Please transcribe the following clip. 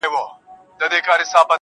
غواړمه چي دواړي سترگي ورکړمه~